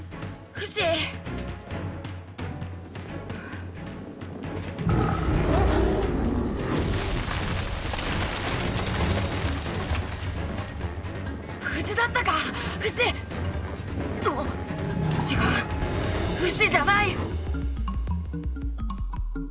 フシあっ⁉違うフシじゃない。